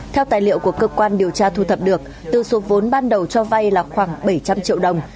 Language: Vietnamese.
theo tài liệu của cơ quan điều tra thu thập được từ số vốn ban đầu cho vay là khoảng bảy trăm linh triệu đồng